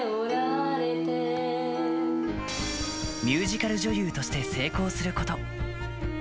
ミュージカル女優として成功すること。